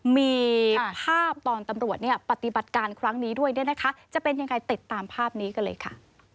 มีภาพตอนตำรวจเนี่ยปฏิบัติการครั้งนี้ด้วยเนี่ยนะคะจะเป็นยังไงติดตามภาพนี้กันเลยค่ะ